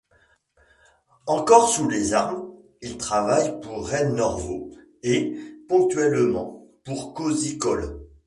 Encore sous les armes, il travaille pour Red Norvo, et, ponctuellement, pour Cozy Cole.